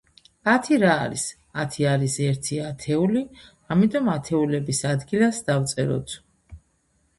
ათი რა არის? ათი არის ერთი ათეული, ამიტომ ათეულების ადგილას დავწეროთ.